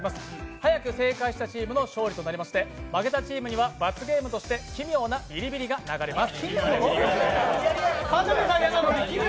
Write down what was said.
早く正解できたチームの勝利となりまして、負けたチームには罰ゲームとして奇妙なビリビリが流れます。